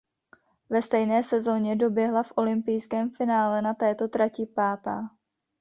V stejné sezóně doběhla v olympijském finále na této trati pátá.